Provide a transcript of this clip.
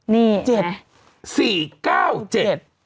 นี่ไง